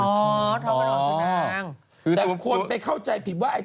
แต่คนไปเข้าใจผิดว่า